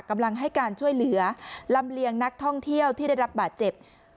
กำลังให้การช่วยเหลือลำเลียงนักท่องเที่ยวที่ได้รับบาดเจ็บ